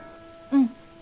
うん。